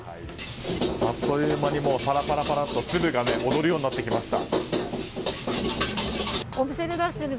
あっという間にパラパラと粒が踊るようになってきました。